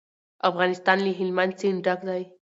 افغانستان له هلمند سیند ډک دی.